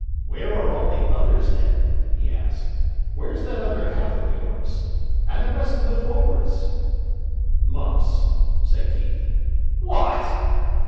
"Where are all the others, then?" he asked. "Where's that other half of yours? And the rest of the forwards?" "Mumps," said Keith. "What!"